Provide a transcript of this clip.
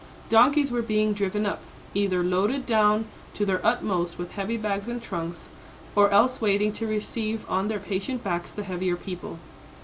Donkeys were being driven up, either loaded down to their utmost with heavy bags and trunks, or else waiting to receive on their patient backs the heavier people.